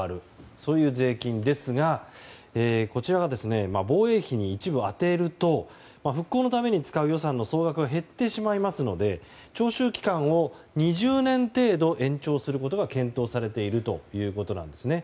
そういう税金ですがこちらが、防衛費に一部充てると復興のために使う予算の総額が減ってしまいますので徴収期間を２０年程度延長することが検討されているということなんですね。